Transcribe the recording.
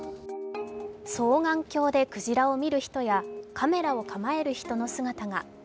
双眼鏡でクジラを見る人やカメラを構える人の姿が。